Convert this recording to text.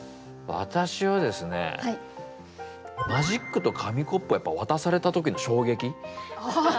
私はですねマジックと紙コップを渡された時の衝撃。